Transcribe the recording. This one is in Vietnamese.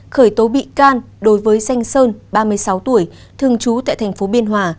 khởi tố bị can đối với danh sơn ba mươi sáu tuổi thường trú tại thành phố biên hòa